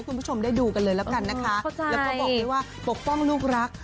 คุณผู้ชมได้ดูกันเลยแล้วกันนะคะแล้วก็บอกได้ว่าปกป้องลูกรัก